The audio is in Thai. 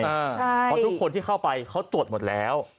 เพราะทุกคนที่เข้าไปเขาตรวจหมดแล้ว